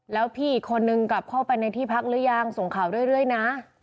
แล้วพี่อีกคนนึงกลับเข้าไปในที่พักหรือยังส่งข่าวเรื่อยนะ